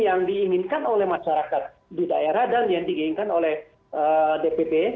yang diinginkan oleh masyarakat di daerah dan yang diinginkan oleh dpp